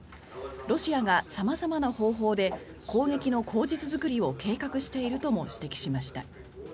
ロシアが様々な方法で攻撃の口実作りを計画しているとも指摘しました。